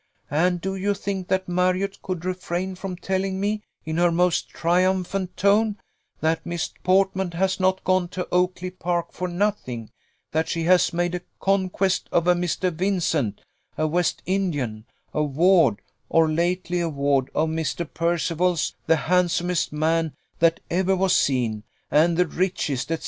And do you think that Marriott could refrain from telling me, in her most triumphant tone, that 'Miss Portman has not gone to Oakly park for nothing; that she has made a conquest of a Mr. Vincent, a West Indian, a ward, or lately a ward, of Mr. Percival's, the handsomest man that ever was seen, and the richest, &c.